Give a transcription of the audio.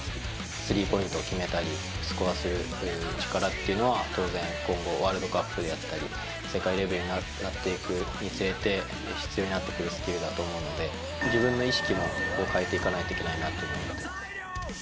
スリーポイントを決めたり、得点する力というのは当然、ワールドカップであったり、世界レベルになっていくにつれて、必要になってくるスキルだと思うので、自分の意識も変えていかないといけないなと思います。